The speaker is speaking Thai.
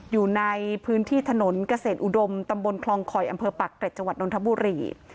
อยู่ในพื้นที่ถนนเกษตรอุดมตำบลคลองคอยอำเภอปักเกร็จจังหวัดนทบุรี